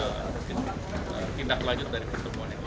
agendanya tentu silapuakni sama tindak lanjut dari pertemuan yang lain